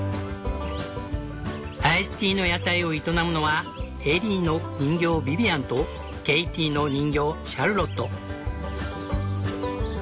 アイスティーの屋台を営むのはエリーの人形ビビアンとケイティの人形シャルロット。